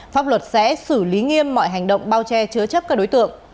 pháp luật sẽ xử lý nghiêm mọi hành động bao che chứa chấp các đối tượng